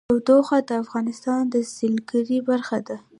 تودوخه د افغانستان د سیلګرۍ برخه ده.